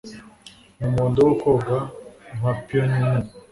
n'umuhondo wo koga nka peony nini.